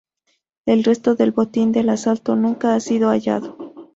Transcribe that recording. El resto del botín del asalto nunca ha sido hallado.